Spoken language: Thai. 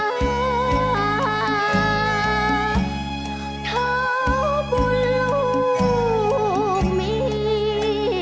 เท่าบุญลูกมี